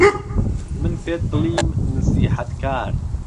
من پێت بڵیم نسيحهتکار